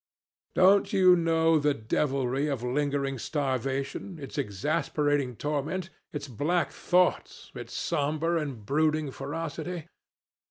Don't you know the devilry of lingering starvation, its exasperating torment, its black thoughts, its somber and brooding ferocity?